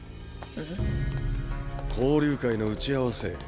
ん？交流会の打ち合わせ。